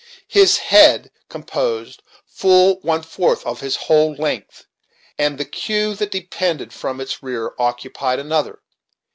His head composed full one fourth of his whole length, and the cue that depended from its rear occupied another.